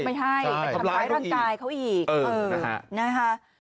ไม่ให้ไปทำร้ายร่างกายเขาอีกนะคะ